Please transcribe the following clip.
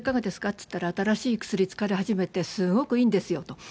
って言ったら、新しい薬使い始めてすごくいいんですよと。